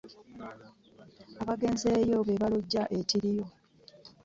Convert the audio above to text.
Abagenzeeyo be balojja ekiriyo!